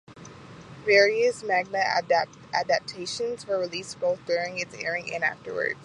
Various manga adaptations were released both during its airing and afterwards.